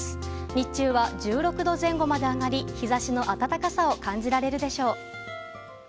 日中は１６度前後まで上がり日差しの暖かさを感じられるでしょう。